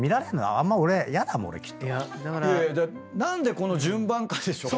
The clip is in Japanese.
いやいや何でこの順番かでしょ。